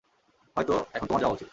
হয়তো এখন তোমার যাওয়া উচিৎ।